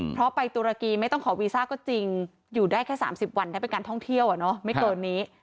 เพราะไปตุรกีไม่ต้องขอวีซ่าก็จริงอยู่ได้แค่๓๐วันถ้าเป็นการท่องเที่ยวไม่เกินนี้